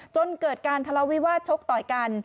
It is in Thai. จนเกิดการทะเลาวิวาสชกต่อยกัน